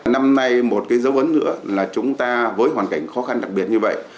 năm nay một cái dấu ấn nữa là chúng ta với hoàn cảnh khó khăn đặc biệt như vậy